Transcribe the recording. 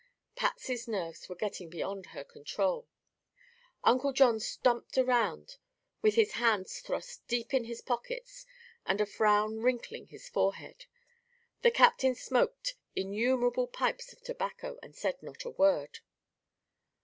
Patsy's nerves were getting beyond her control; Uncle John stumped around with his hands thrust deep in his pockets and a frown wrinkling his forehead; the captain smoked innumerable pipes of tobacco and said not a word.